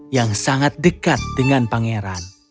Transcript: yang sangat dekat dengan pangeran